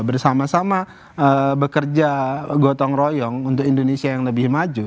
bersama sama bekerja gotong royong untuk indonesia yang lebih maju